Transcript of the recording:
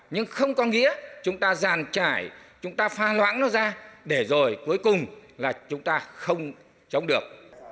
nhưng không có nghĩa chúng ta giàn trải chúng ta pha loãng nó ra để rồi cuối cùng là chúng ta không chống được